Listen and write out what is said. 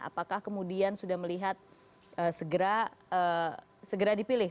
apakah kemudian sudah melihat segera dipilih